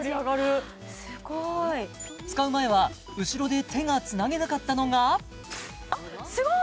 すごい使う前は後ろで手がつなげなかったのがあっすごい！